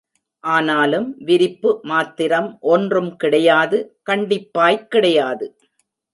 ஆனாலும், விரிப்பு மாத்திரம் ஒன்றும் கிடையாது கண்டிப்பாய்க் கிடையாது.